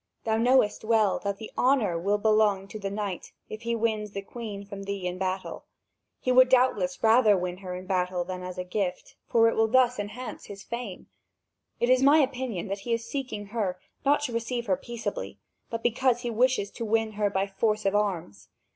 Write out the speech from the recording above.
Thou knowest well that the honour will belong to the knight, if he wins the Queen from thee in battle. He would doubtless rather win her in battle than as a gift, for it will thus enhance his fame. It is my opinion that he is seeking her, not to receive her peaceably, but because he wishes to win her by force of arms.